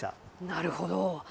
なるほど。